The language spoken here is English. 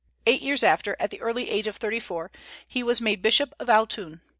Eight years after, at the early age of thirty four, he was made Bishop of Autun.